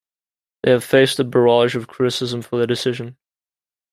They have faced a barrage of criticism for their decision.